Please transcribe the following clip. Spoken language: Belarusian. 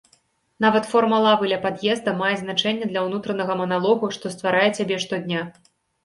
Нават форма лавы ля пад'езда мае значэнне для ўнутранага маналогу, што стварае цябе штодня.